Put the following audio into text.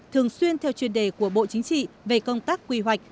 thường xuyên theo chuyên đề của bộ chính trị về công tác quy hoạch